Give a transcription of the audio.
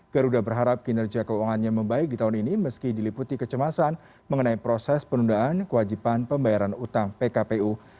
garuda berharap kinerja keuangannya membaik di tahun ini meski diliputi kecemasan mengenai proses penundaan kewajiban pembayaran utang pkpu